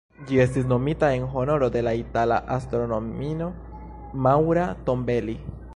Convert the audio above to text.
Ĝi estis nomita en honoro de la itala astronomino Maura Tombelli.